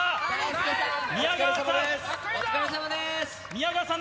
宮川さん